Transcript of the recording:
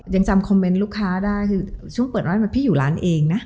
ยังจำคอมเมนต์ลูกค้าได้คือช่วงเปิดร้านมาพี่อยู่ร้านเองนะ